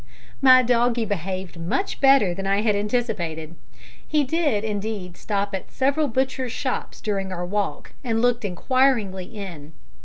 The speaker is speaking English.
My doggie behaved much better than I had anticipated. He did indeed stop at several butchers' shops during our walk, and looked inquiringly in.